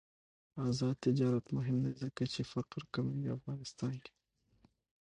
آزاد تجارت مهم دی ځکه چې فقر کموي افغانستان کې.